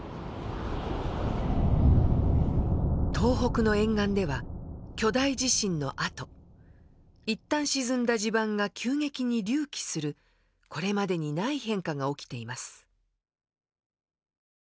東北の沿岸では巨大地震のあと一旦沈んだ地盤が急激に隆起するこれまでにない変化が起きています。